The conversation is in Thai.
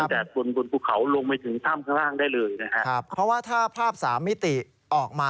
จากบนบุคเขามันลงมาถึงท่ำข้างล่างได้เลยนะฮะ